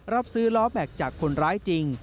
รับซื้อล้อแม็กซ์จากคนร้ายจริง